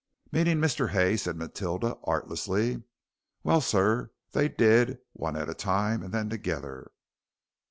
"Meanin' Mr. Hay," said Matilda, artlessly. "Well, sir, they did, one at a time and then together.